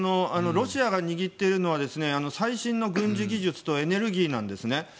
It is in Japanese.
ロシアが握っているのは最新の軍事技術とエネルギーなんですね。